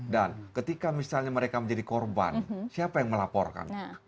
dan ketika misalnya mereka menjadi korban siapa yang melaporkan